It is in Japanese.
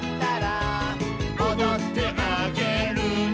「おどってあげるね」